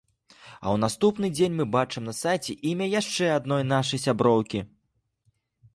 А ў наступны дзень мы бачым на сайце імя яшчэ адной нашай сяброўкі.